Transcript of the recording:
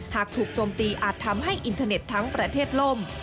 หากถูกโจมตีอาจทำให้อินเทอร์เน็ตทั้งประเทศล่ม